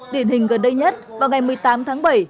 điển hình gần đây nhất vào ngày một mươi tám tháng bảy